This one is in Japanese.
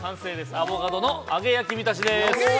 アボカドの揚げ焼きびたしです。